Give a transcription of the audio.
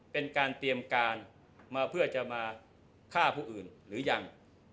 เป็นการเตรียมการมาเพื่อจะมาฆ่าผู้อื่นหรือยัง